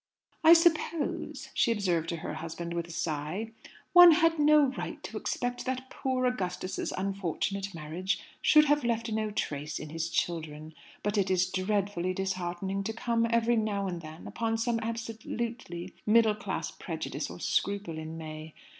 "I suppose," she observed to her husband, with a sigh, "one had no right to expect that poor Augustus's unfortunate marriage should have left no trace in his children. But it is dreadfully disheartening to come every now and then upon some absolutely middle class prejudice or scruple in May.